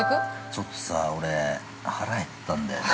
◆ちょっとさ、俺腹減ったんだよね。